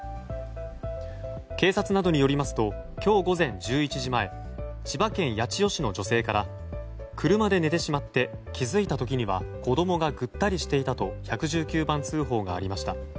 警察などによりますと今日午前１１時前千葉県八千代市の女性から車で寝てしまって気づいた時には子供がぐったりしていたと１１９番通報がありました。